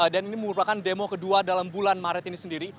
dan ini merupakan demo kedua dalam bulan maret ini sendiri